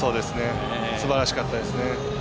すばらしかったですね。